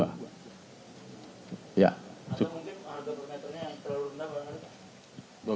atau mungkin parameternya yang terlalu rendah